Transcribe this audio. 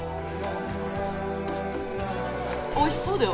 おいしそうだよ！